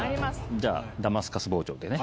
じゃあダマスカス包丁でね。